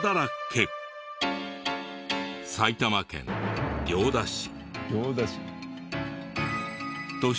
埼玉県行田市。